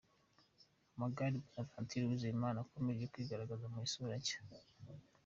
Amagare: Bonaventure Uwizeyimana akomeje kwigaragaza mu isura nshya.